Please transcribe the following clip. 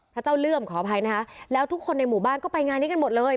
พระเจ้าเลื่อมขออภัยนะคะแล้วทุกคนในหมู่บ้านก็ไปงานนี้กันหมดเลย